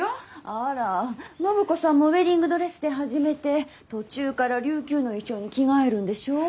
あら暢子さんもウエディングドレスで始めて途中から琉球の衣装に着替えるんでしょう？